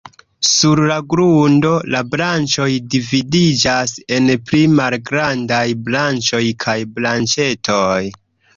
Sur la grundo, la branĉoj dividiĝas en pli malgrandaj branĉoj kaj branĉetoj.